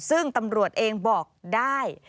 ซึ่งตำรวจเองบอกได้